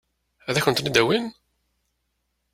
Ad kent-ten-id-awin?